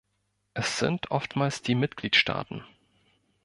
Es sind oftmals die Mitgliedstaaten.